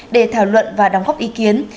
để thảo luận và đóng góp ý kiến